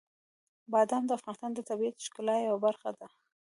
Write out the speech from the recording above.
بادام د افغانستان د طبیعت د ښکلا یوه برخه ده.